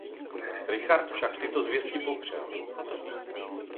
Richard však tyto zvěsti popřel.